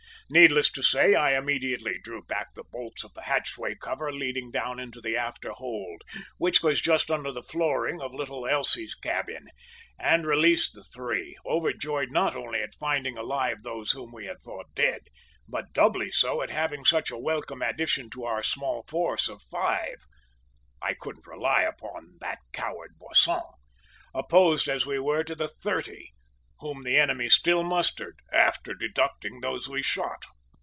"Needless to say, I immediately drew back the bolts of the hatchway cover leading down into the after hold, which was just under the flooring of little Elsie's cabin, and released the three, overjoyed not only at finding alive those whom we had thought dead, but doubly so at having such a welcome addition to our small force of five I couldn't rely upon that coward Boisson opposed as we were to the thirty, whom the enemy still mustered, after deducting those we shot.